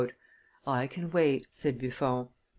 "I can wait," said Buffon.